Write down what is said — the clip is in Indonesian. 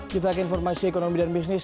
kita ke informasi ekonomi dan bisnis